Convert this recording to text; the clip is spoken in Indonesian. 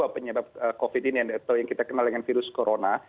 penyebab covid ini atau yang kita kenal dengan virus corona